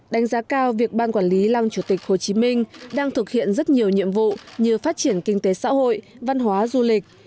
đánh giá cao việc ban quản lý lăng chủ tịch hồ chí minh đang thực hiện rất nhiều nhiệm vụ như phát triển kinh tế xã hội văn hóa du lịch